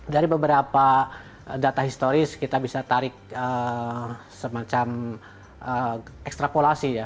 dari beberapa data historis kita bisa tarik semacam ekstrakulasi ya